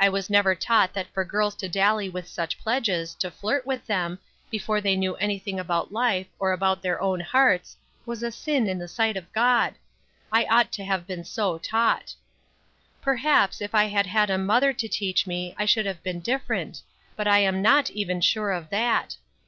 I was never taught that for girls to dally with such pledges, to flirt with them, before they knew anything about life or about their own hearts was a sin in the sight of God. I ought to have been so taught. "Perhaps if I had had a mother to teach me I should have been different; but I am not even sure of that.